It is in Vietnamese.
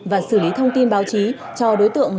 và xử lý thông tin báo chí cho đối tượng